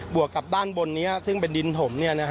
วกกับด้านบนนี้ซึ่งเป็นดินถม